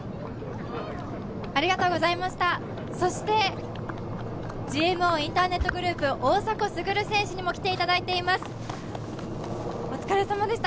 そしてＧＭＯインターネットグループ、大迫傑選手にも来ていただいています、お疲れさまでした。